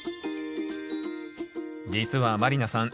実は満里奈さん